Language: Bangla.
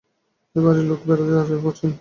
-এ বাড়ির লোকে বেড়াতে যাবে পশ্চিম!